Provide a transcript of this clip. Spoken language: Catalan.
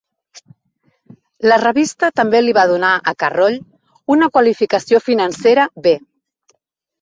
La revista també li va donar a Carroll una qualificació financera B.